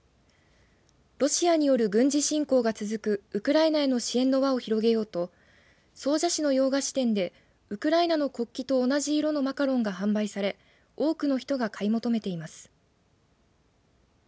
ロシアによる軍事侵攻が続くウクライナへの支援の輪を広げようと総社市の洋菓子店でウクライナの国旗と同じ色のマカロンが販売され多くの人が買い求めています。